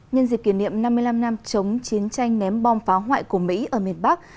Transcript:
nhân dịp kỷ niệm năm mươi năm năm chống chiến tranh ném bom phá hoại của mỹ ở miền bắc